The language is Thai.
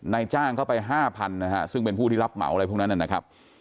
นายจ้างเข้าไปห้าพันนะฮะซึ่งเป็นผู้ที่รับเหมาอะไรพวกนั้นนะครับ